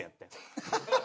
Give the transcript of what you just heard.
ハハハハ！